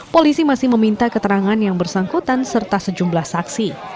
polisi masih meminta keterangan yang bersangkutan serta sejumlah saksi